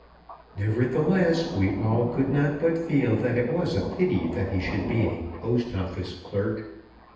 Nevertheless, we all could not but feel that it was a pity that he should be _a Post Office clerk!